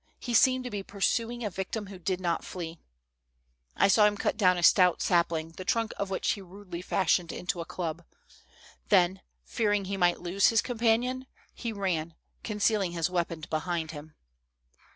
ne seemed to be pursuing a victim who did not flee. " I saw him cut down a stout sapling, the trunk of THE soldiers' DREAMS. 285 wliich lie rudely fashioned into a club. Then, fearing he might lose his companion, he ran, concealing his weapon behind him.